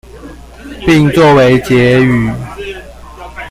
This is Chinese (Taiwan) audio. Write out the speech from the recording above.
並做為結語